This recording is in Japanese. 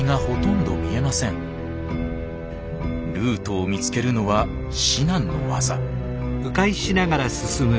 ルートを見つけるのは至難の業。